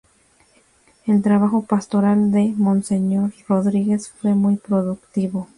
El trabajo pastoral de Monseñor Rodríguez fue muy productivo.